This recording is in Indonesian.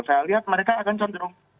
saya lihat mereka akan cenderung